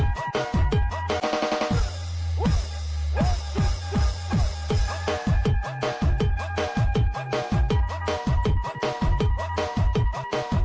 สวัสดีค่ะ